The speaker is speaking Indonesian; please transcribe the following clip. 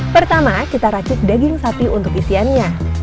pertama kita racik daging sapi untuk isiannya